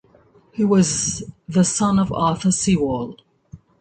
He was the son of Arthur Sewall.